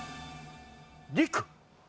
「りく」